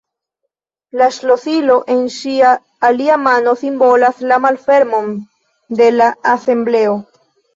La ŝlosilo en ŝia alia mano simbolas la malfermon de la Asembleo.